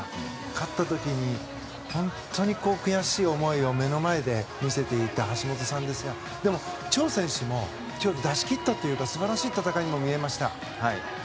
勝った時に本当に悔しい思いを目の前で見せていた橋本さんですがでも、チョウ選手も出し切ったというか素晴らしい戦いにも見えました。